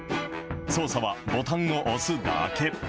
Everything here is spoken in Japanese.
操作はボタンを押すだけ。